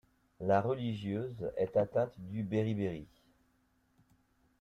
La religieuse est atteinte du béribéri.